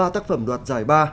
ba tác phẩm đoạt giải ba